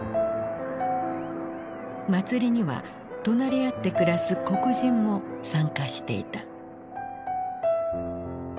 祭りには隣り合って暮らす黒人も参加していた。